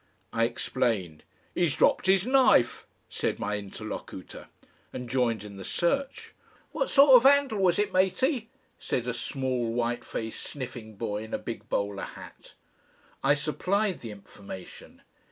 I explained. "'E's dropped 'is knife," said my interlocutor, and joined in the search. "What sort of 'andle was it, Matey?" said a small white faced sniffing boy in a big bowler hat. I supplied the information.